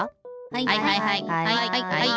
はいはいはい。